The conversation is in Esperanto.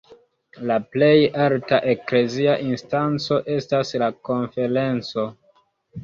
La plej alta eklezia instanco estas la Konferenco.